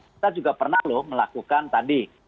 kita juga pernah loh melakukan tadi